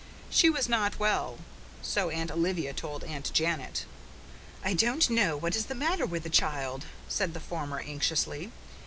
She was not well, so Aunt Olivia told Aunt Janet. "I don't know what is the matter with the child," said the former anxiously.